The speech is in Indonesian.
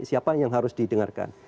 siapa yang harus didengarkan